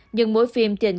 nhưng mỗi phim tiền trả